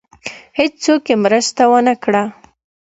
هېڅوک یې مرسته ونه کړه.